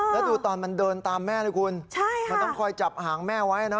แล้วดูตอนมันเดินตามแม่ด้วยคุณมันต้องคอยจับหางแม่ไว้นะ